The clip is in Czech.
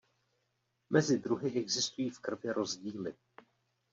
Mezi druhy existují v krvi rozdíly.